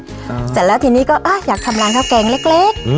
เสร็จแล้วทีนี้ก็อ่ะอยากทำร้านข้าวแกงเล็กเล็กอืม